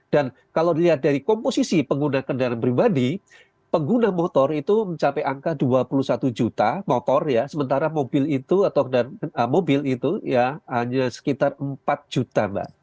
dan kalau dilihat dari komposisi pengguna kendaraan pribadi pengguna motor itu mencapai angka dua puluh satu juta motor ya sementara mobil itu hanya sekitar empat juta mbak